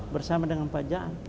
bersama dengan pak jaan